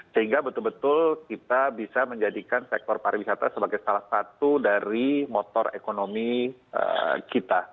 sehingga betul betul kita bisa menjadikan sektor pariwisata sebagai salah satu dari motor ekonomi kita